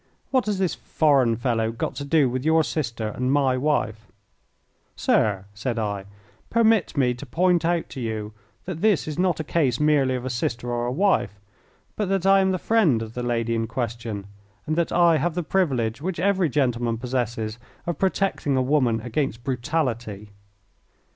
What has this foreign fellow got to do with your sister and my wife?" "Sir," said I, "permit me to point out to you that this is not a case merely of a sister or a wife, but that I am the friend of the lady in question, and that I have the privilege which every gentleman possesses of protecting a woman against brutality.